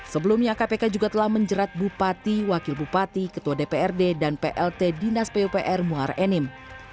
sebelumnya kpk juga telah menjerat bupati wakil bupati ketua dprd dan plt dinas pupr muharre enim